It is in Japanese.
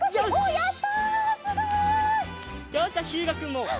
やった！